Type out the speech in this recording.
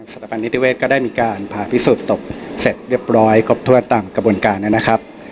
สถาบันนิติเวศก็ได้มีการผ่าพิสูจน์ศพเสร็จเรียบร้อยครบถ้วนตามกระบวนการนะครับ